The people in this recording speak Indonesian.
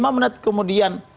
lima menit kemudian